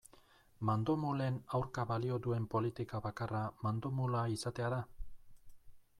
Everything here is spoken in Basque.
Mandomulen aurka balio duen politika bakarra mandomula izatea da?